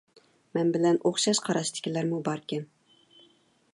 مەن بىلەن ئوخشاش قاراشتىكىلەرمۇ باركەن.